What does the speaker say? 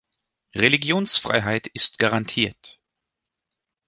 Religionsfreiheit ist garantiert.